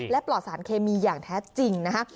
และปลอดสารเคมีอย่างแท้จริงนะคะ